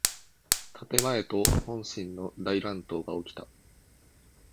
建前と本心の大乱闘がおきた。